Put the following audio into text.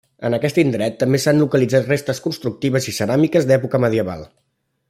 En aquest indret també s'han localitzat restes constructives i ceràmiques d'època medieval.